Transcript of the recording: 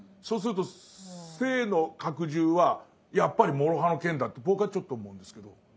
そうすると生の拡充はやっぱりもろ刃の剣だって僕はちょっと思うんですけど。